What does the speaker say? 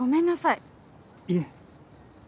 いえ。